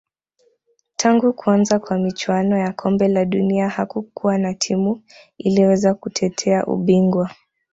tangu kuanza kwa michuano ya kombe la dunia hakukuwa na timu iliyoweza kutetea ubingwa